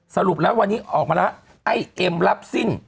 สรุปแล้ววันนี้ออกมาแล้วไอ้เอ็มรับสิ้น